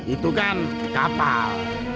itu kan kapal